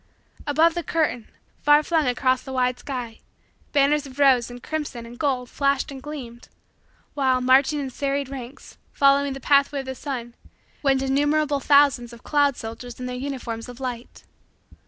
Above the curtain, far flung across the wide sky, banners of rose and crimson and gold flashed and gleamed; while, marching in serried ranks, following the pathway of the sun, went innumerable thousands of cloud soldiers in their uniforms of light.